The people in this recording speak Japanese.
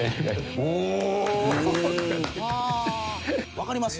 分かります？